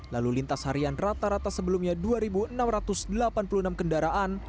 lalu lintas harian rata rata sebelumnya dua enam ratus delapan puluh enam kendaraan